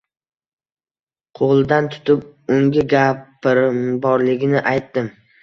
Qo‘lidan tutib unga gapim borligini aytdim